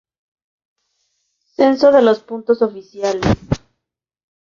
Censo de los puntos oficiales